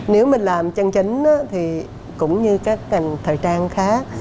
nếu mình làm chân chính thì cũng như các thời trang khác